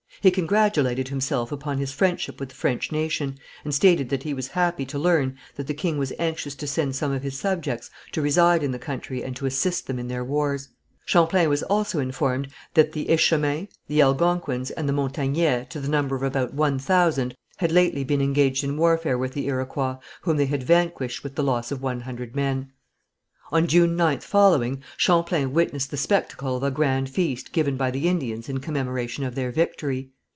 He congratulated himself upon his friendship with the French nation, and stated that he was happy to learn that the king was anxious to send some of his subjects to reside in the country and to assist them in their wars. Champlain was also informed that the Etchemins, the Algonquins, and the Montagnais, to the number of about one thousand, had lately been engaged in warfare with the Iroquois, whom they had vanquished with the loss of one hundred men. On June 9th following, Champlain witnessed the spectacle of a grand feast given by the Indians in commemoration of their victory.